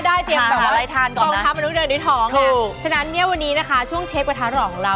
ได้เตรียมแบบว่าอะไรทานก่อนนะ